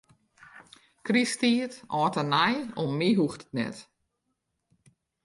Krysttiid, âld en nij, om my hoecht it net.